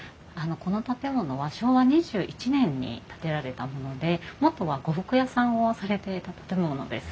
この建物は昭和２１年に建てられたもので元は呉服屋さんをされていた建物です。